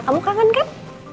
kamu kangen kan